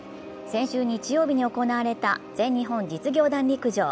先週日曜日に行われた全日本実業団陸上。